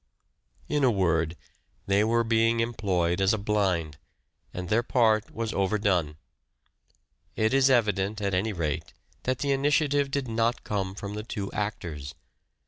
In a word, they were being employed as a blind, and their part was overdone. It is evident, at any rate, that the initiative did not come from the two actors.